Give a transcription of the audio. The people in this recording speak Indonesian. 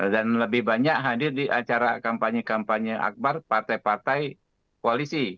dan lebih banyak hadir di acara kampanye kampanye akbar partai partai koalisi